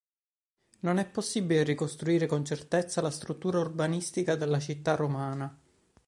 Non è possibile ricostruire con certezza la struttura urbanistica della città romana.